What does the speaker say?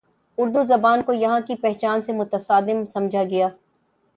اردو زبان کو یہاں کی پہچان سے متصادم سمجھا گیا